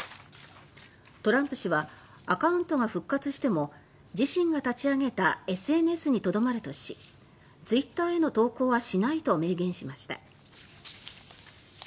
トランプ氏はアカウントが復活しても自身が立ち上げたＳＮＳにとどまるとしツイッターへの投稿はしないと明言しました。